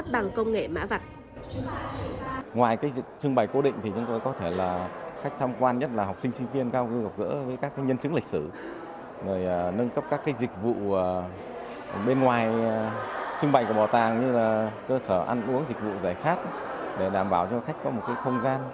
bằng công nghệ mã vạch